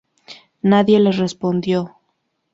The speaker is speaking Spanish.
Nadie le respondió.